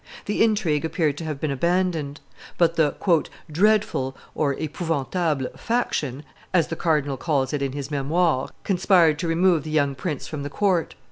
The intrigue appeared to have been abandoned. But the "dreadful (epouvantable) faction," as the Cardinal calls it in his Memoires, conspired to remove the young prince from the court.